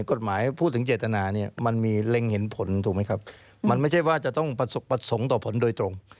กฎหมายพูดถึงเจตนาเนี่ยมันมีเล็งเห็นผลถูกไหมครับมันไม่ใช่ว่าจะต้องประสงค์ต่อผลโดยตรง